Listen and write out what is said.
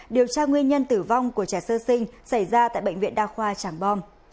điều tra nguyên nhân tử vong của trẻ sơ sinh xảy ra tại bệnh viện đa khoa tràng bom